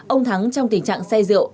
ông thắng trong tình trạng say rượu